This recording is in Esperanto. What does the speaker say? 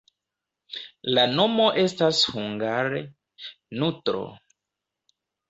La nomo estas hungare: nutro.